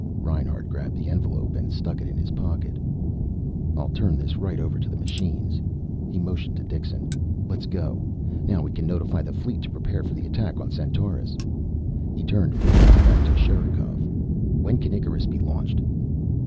Reinhart grabbed the envelope and stuck it in his pocket. "I'll turn this right over to the machines." He motioned to Dixon. "Let's go. Now we can notify the fleet to prepare for the attack on Centaurus." He turned briefly back to Sherikov. "When can Icarus be launched?"